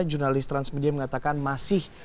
jurnalis transmedia mengatakan masih